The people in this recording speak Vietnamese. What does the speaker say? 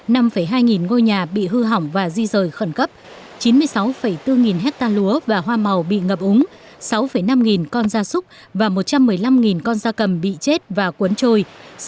năm hai nghìn ngôi nhà bị hư hỏng và di rời khẩn cấp chín mươi sáu bốn nghìn hectare lúa và hoa màu bị ngập úng sáu năm nghìn con da súc và một trăm một mươi năm con da cầm bị chết và cuốn trôi